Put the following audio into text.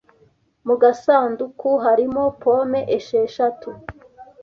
Mu gasanduku harimo pome esheshatu.